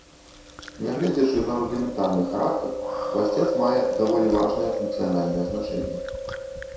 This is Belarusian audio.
Нягледзячы на рудыментарны характар, хвасцец мае даволі важнае функцыянальнае значэнне.